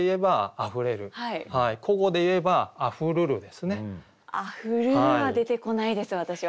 「あふるる」は出てこないです私は。